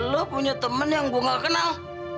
lo punya teman yang gue gak kenal